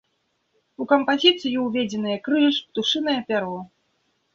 У кампазіцыю ўведзеныя крыж, птушынае пяро.